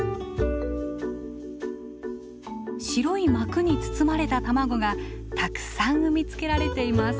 白い膜に包まれた卵がたくさん産み付けられています。